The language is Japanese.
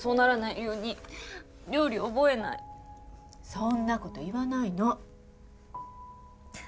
そんな事言わないの。